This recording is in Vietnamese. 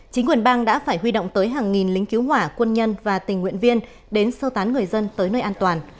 chính quyền bang đã phải huy động tới hàng nghìn lính cứu hỏa quân nhân và tình nguyện viên đến sơ tán người dân tới nơi an toàn